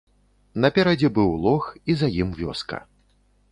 Наперадзе быў лог і за ім вёска.